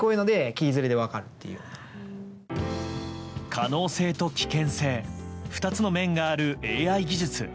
可能性と危険性２つの面があるＡＩ技術。